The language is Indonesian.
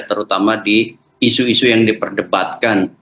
terutama di isu isu yang diperdebatkan